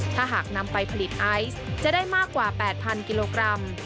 ถ้าหากนำไปผลิตไอซ์จะได้มากกว่า๘๐๐กิโลกรัม